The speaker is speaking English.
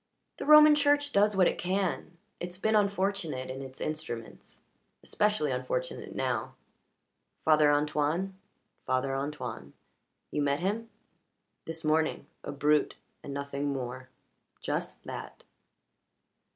"The Roman Church does what it can. It's been unfortunate in its instruments. Especially unfortunate now." "Father Antoine?" "Father Antoine. You met him?" "This morning. A brute, and nothing more." "Just that."